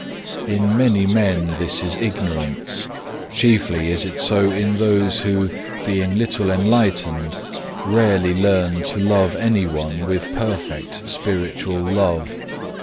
6. "In many men this is ignorance, chiefly is it so in those who, being little enlightened, rarely learn to love any one with perfect spiritual love.